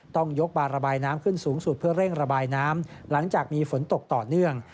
ต้องยกบาระบายน้ำขึ้นสูงสุดเพื่อเร่งระบายน้ำหลังจากมีฝนตกต่อเนื่อง